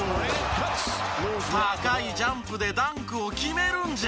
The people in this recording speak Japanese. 高いジャンプでダンクを決めるんじゃ！